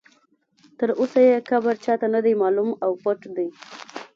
تر اوسه یې قبر چا ته نه دی معلوم او پټ دی.